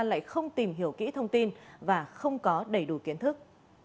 lại không tìm hiểu kỹ thông tin và không có đầy đủ kiến thức